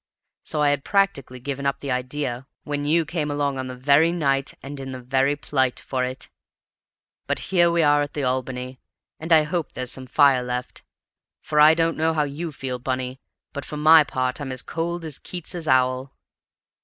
So I had practically given up the idea, when you came along on the very night and in the very plight for it! But here we are at the Albany, and I hope there's some fire left; for I don't know how you feel, Bunny, but for my part I'm as cold as Keats's owl."